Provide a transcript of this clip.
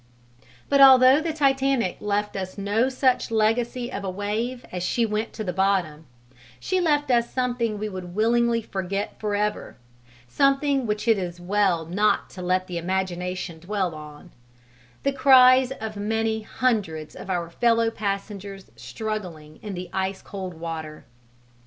But although the Titanic left us no such legacy of a wave as she went to the bottom, she left us something we would willingly forget forever, something which it is well not to let the imagination dwell on the cries of many hundreds of our fellow passengers struggling in the ice cold water.